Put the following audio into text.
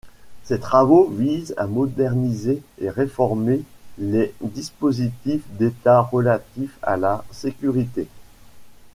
Ces travaux visent à moderniser et réformer des dispositifs d'État relatifs à la sécurité.